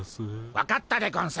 分かったでゴンス。